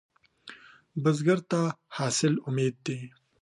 بزګر ته حاصل امید دی